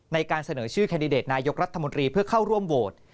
ในการเสนอชื่อแคนดิเดตนายกรัฐมนตรีเพื่อเข้าร่วมโหวต